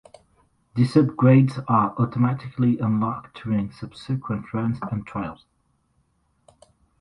These upgrades are automatically unlocked during subsequent runs and trials.